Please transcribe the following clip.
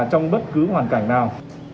trong bất cứ hoàn cảnh nào